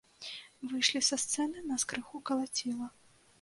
Выйшлі са сцэны, нас крыху калаціла.